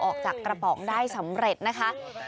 ออกจากกระป๋องได้สำเร็จนะคะ